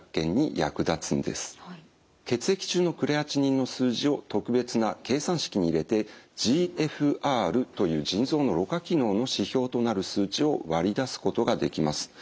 血液中のクレアチニンの数字を特別な計算式に入れてＧＦＲという腎臓のろ過機能の指標となる数値を割り出すことができます。